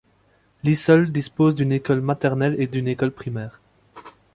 Lisle dispose d'une école maternelle et d'une école primaire.